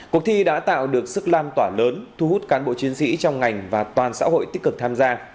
cuộc thi đã tạo được sức lam tỏa lớn thu hút cán bộ chiến sĩ trong ngành và toàn xã hội tích cực tham gia